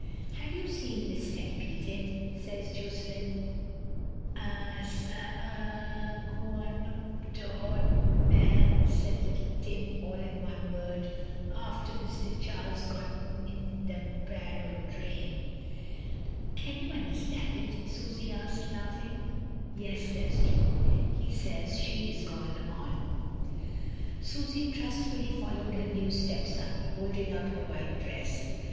"Have you seen Miss Tempy, Tim?" says Josselin. "I s^ err a gwoan oop t' Auld Mann," says little Tim, all in one word, "aafter Mr. Charles gotten into t' Barrow train." "Can you imderstand him?" Susy asked, laughing. "Yes," says Jo. "He says she is gone on." Susy trustfully followed her new stepson, holding up her white dress.